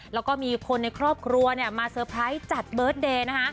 แล้วก็มีคนในครอบครัวมาเซอร์ไพรส์จัดเบิร์ศเดร์